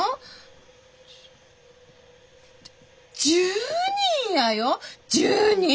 １０人やよ１０人。